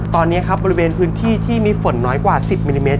ตอนนี้ครับบริเวณพื้นที่ที่มีฝนน้อยกว่า๑๐มิลลิเมต